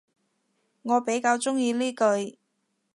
我比較鍾意呢句